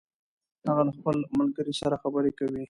هغه له خپل ملګري سره خبرې کوي